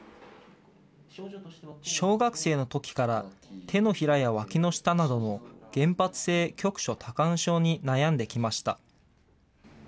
小学生のときから手のひらやわきの下などの原発性局所多汗症に悩んできました。